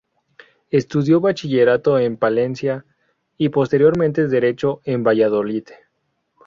Estudió bachillerato en Palencia y posteriormente Derecho en Valladolid.